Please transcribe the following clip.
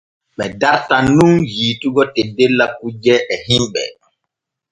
Ɓe dartan nun yiitugo teddella kujje e himɓe.